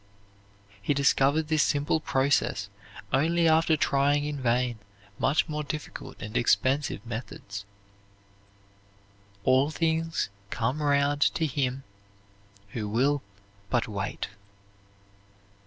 He discovered this simple process only after trying in vain much more difficult and expensive methods. "All things come round to him who will but wait."